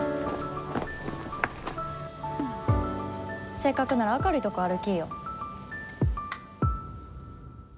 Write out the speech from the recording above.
せっかくなら明るいとこ歩きーよ。